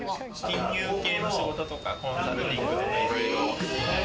金融系の仕事とか、コンサルティングとか。